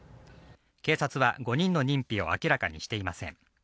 警察は５人の認否を明らかにしていません。